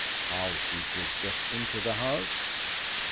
"How did you get into the house?"